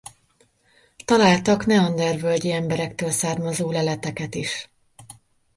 Találtak neandervölgyi emberektől származó leleteket is.